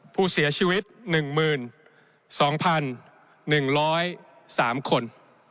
ผู้เสียชีวิต๑๒๑๐๓คน